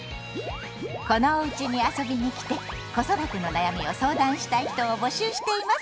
この「おうち」に遊びに来て子育ての悩みを相談したい人を募集しています！